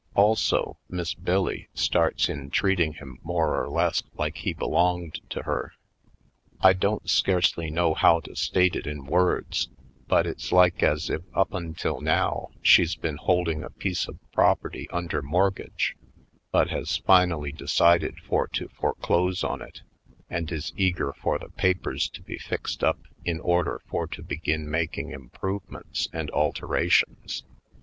Also, Miss Bill Lee starts in treating him more or less like he belonged Private Life 171 to her. I don't scarcely know how to state it in words, but it's like as if up until now she's been holding a piece of property un der mortgage but has finally decided for to foreclose on it and is eager for the papers to be fixed up in order for to begin making improvements and alterations.